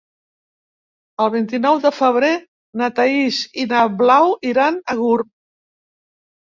El vint-i-nou de febrer na Thaís i na Blau iran a Gurb.